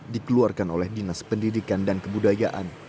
dikeluarkan oleh dinas pendidikan dan kebudayaan